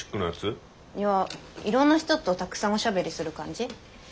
いやいろんな人とたくさんおしゃべりする感じ？